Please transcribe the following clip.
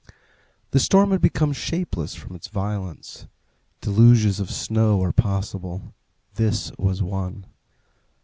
The storm had become shapeless from its violence. Deluges of snow are possible. This was one.